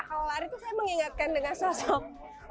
kalau hari itu saya mengingatkan dengan sosok